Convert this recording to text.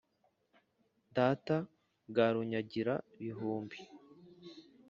data ga runyagira-bihumbi